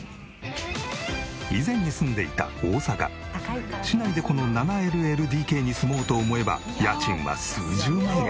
以前に住んでいた大阪市内でこの７ＬＬＤＫに住もうと思えば家賃は数十万円。